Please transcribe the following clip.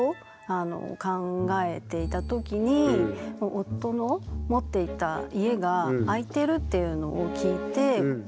夫の持っていた家が空いてるというのを聞いてきったねえ家で。